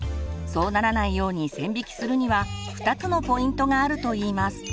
そうならないように線引きするには２つのポイントがあるといいます。